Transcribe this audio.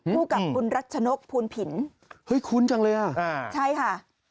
คู่กับคุณรัชนกภูลผินเฮ้ยคุ้นจังเลยอ่ะอ่าใช่ค่ะ